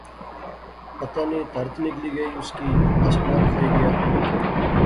پتہ نی تہرت نگلی گئی اس کی اسمان کھائی گیا